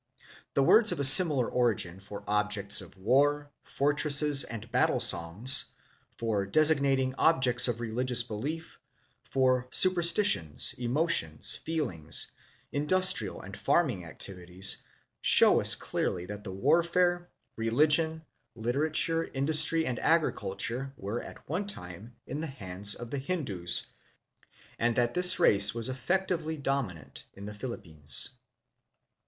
The words of a similar origin for objects of war, fortresses, and battle songs, for designating objects of religious belief, for su perstitions, emotions, feelings, industrial and farming activities, show us clearly that the warfare, religion, literature, industry, and agriculture were at one time in the hands of the Hindus, and that this race was effec tively dominant in the Philippines." l Systems of Writing among the Filipinos.